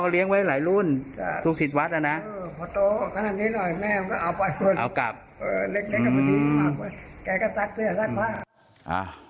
อ๋อเรียงไว้หลายรุ่นทุกสินทรวจนะ